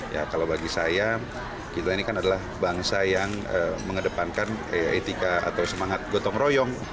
ya kalau bagi saya kita ini kan adalah bangsa yang mengedepankan etika atau semangat gotong royong